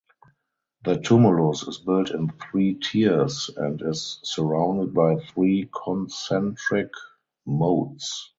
The tumulus is built in three tiers and is surrounded by three concentric moats.